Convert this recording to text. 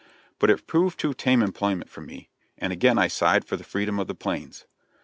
But it proved too tame employment for me, and again I sighed for the freedom of the plains.